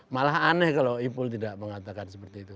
malah aneh kalau ipul tidak mengatakan seperti itu